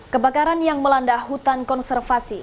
kebakaran yang melanda hutan konservasi